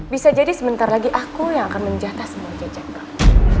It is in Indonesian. bisa jadi sebentar lagi aku yang akan menjata semua jejak kami